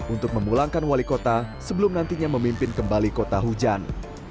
untuk memulangkan wali kota sebelum nantinya memimpin kembali kota hujan